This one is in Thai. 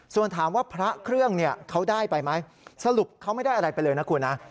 ส่วนถามว่าพระเครื่องเขาได้ไปไหมสรุปเขาไม่ได้อะไรไปเลยนะคุณนะ